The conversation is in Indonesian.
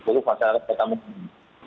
maksudku masyarakat kota medan